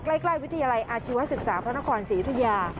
ใกล้วิทยาลัยอาชีวศึกษาพระนครศรียุธยา